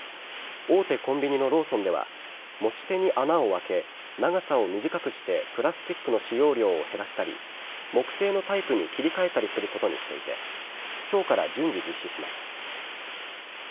大手コンビニのローソンでは持ち手に穴を開け長さを短くしてプラスチックの使用量を減らしたり木製のタイプに切り替えたりすることにしていて今日から順次、実施します。